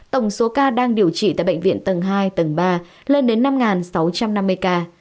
tổng số ca đang điều trị tại bệnh viện tầng hai tầng ba lên đến năm sáu trăm năm mươi ca